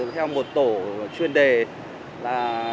theo một tổ chuyên đề là